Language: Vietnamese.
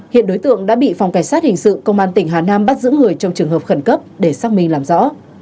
hiện đối tượng đã bị phòng cảnh sát hình sự công an tỉnh hà nam bắt giữ người trong trường hợp khẩn cấp để xác minh làm rõ